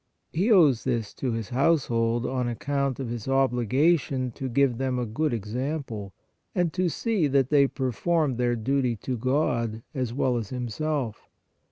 He owes this to his house hold on account of his obligation to give them a good example and to see that they perform their duty to God as well as himself.